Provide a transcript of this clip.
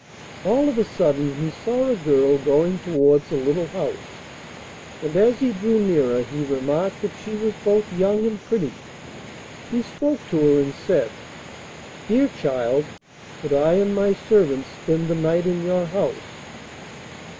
All of a sudden he saw a girl going towards a little house, and as he drew nearer he remarked that she was both young and pretty. He spoke to her, and said, 'Dear child, could I and my servant spend the night in this house?